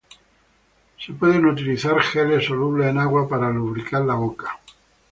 Se pueden utilizar geles solubles en agua para lubricar la boca.